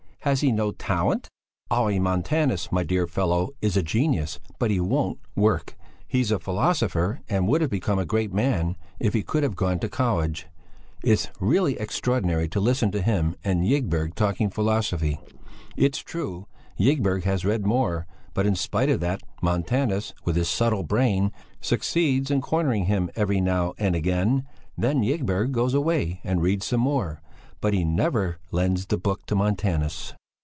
Has he no talent?" "Olle Montanus, my dear fellow, is a genius, but he won't work. He's a philosopher and would have become a great man if he could have gone to college. It's really extraordinary to listen to him and Ygberg talking philosophy; it's true, Ygberg has read more, but in spite of that Montanus, with his subtle brain, succeeds in cornering him every now and again; then Ygberg goes away and reads some more, but he never lends the book to Montanus."